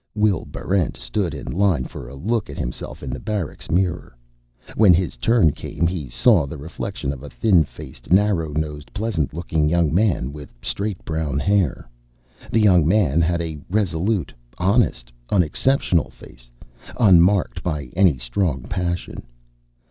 Will Barrent stood in line for a look at himself in the barracks mirror. When his turn came, he saw the reflection of a thin faced, narrow nosed, pleasant looking young man with straight brown hair. The young man had a resolute, honest, unexceptional face, unmarked by any strong passion.